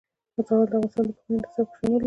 زغال د افغانستان د پوهنې نصاب کې شامل دي.